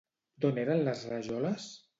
D'on eren les rajoles?